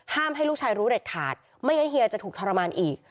ให้ลูกชายรู้เด็ดขาดไม่งั้นเฮียจะถูกทรมานอีก